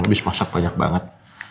lebih semuanya banyak banget